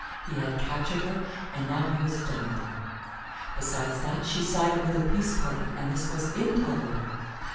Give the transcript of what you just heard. He had captured her, and now he was done with her. Besides that, she sided with the peace party, and this was intolerable.